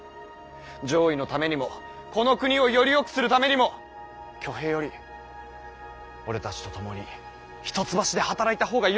攘夷のためにもこの国をよりよくするためにも挙兵より俺たちと共に一橋で働いた方がよほど見込みがある。